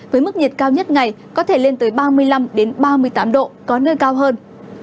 với mức nhiệt cao nhất ngày có thể lên tới ba mươi năm ba mươi tám độ có nơi cao hơn